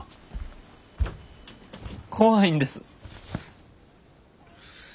怖いんです。